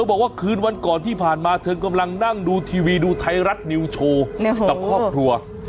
บอกว่าคืนวันก่อนที่ผ่านมาเธอกำลังนั่งดูทีวีดูไทยรัฐนิวโชว์กับครอบครัว